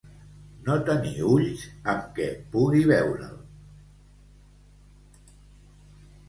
No tenir ulls amb què pugui veure'l.